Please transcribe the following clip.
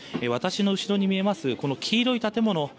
私の後ろに見えます黄色い建物。